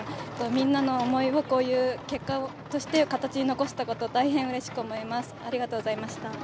みんなの思いをこういう結果として形に残せたこと、大変うれしく思います、ありがとうございました。